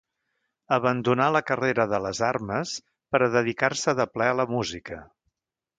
Abandonà la carrera de les armes per a dedicar-se de ple a la música.